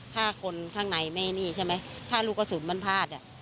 ถ้าคนข้างในไม่นี่ใช่ไหมถ้าลูกกระสุนมันพลาดอ่ะ